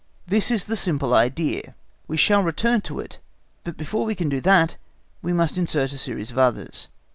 This is the simple idea; we shall return to it, but before we can do that we must insert a series of others.